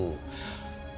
iya pak kasbul